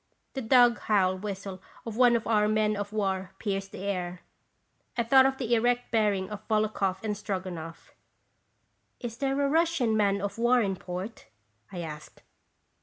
The dog howl whistle of one of our men of war pierced the air. I thought of the erect bearing of Volokhoff and Stroganoff. " Is there a Russian man of war in port?" I asked.